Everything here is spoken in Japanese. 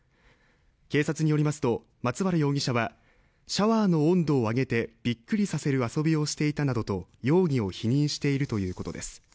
警察によりますと松原容疑者はシャワーの温度を上げてびっくりさせる遊びをしていたなどと容疑を否認しているということです